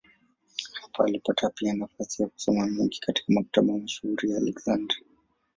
Hapa alipata pia nafasi ya kusoma mengi katika maktaba mashuhuri ya Aleksandria.